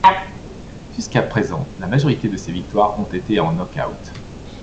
Jusqu'à présent, la majorité de ses victoires ont été en knock-out.